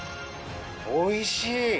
おいしい！